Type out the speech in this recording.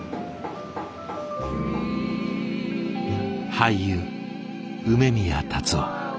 俳優梅宮辰夫。